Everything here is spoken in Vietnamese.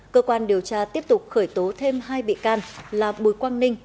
cơ quan điều tra tiếp tục khởi tố thêm hai bị can là bùi quang ninh